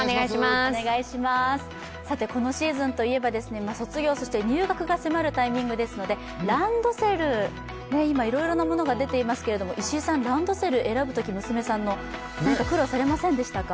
このシーズンといえば卒業そして入学が迫るタイミングですので、ランドセル、今、いろいろなものが出ていますけれども石井さん、娘さんのランドセル選ぶとき苦労されませんでしたか？